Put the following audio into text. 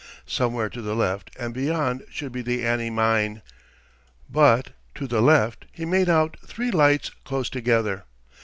Somewhere to the left and beyond should be the Annie Mine. But to the left he made out three lights close together.